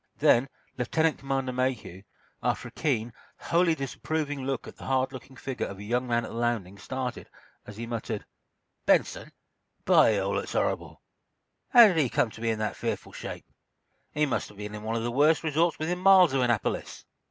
Then Lieutenant Commander Mayhew, after a keen, wholly disapproving look at the hard looking figure of a young man at the landing, started, as he muttered: "Benson, by all that's horrible! How did he come to be in that fearful shape? He must have been in one of the worst resorts within miles of Annapolis!"